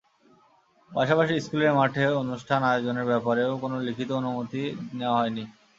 পাশাপাশি স্কুলের মাঠে অনুষ্ঠান আয়োজনের ব্যাপারেও কোনো লিখিত অনুমতি নেওয়া হয়নি।